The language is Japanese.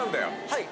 はい！